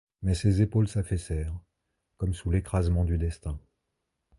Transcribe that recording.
Mais ses épaules s'affaissèrent, comme sous l'écrasement du destin.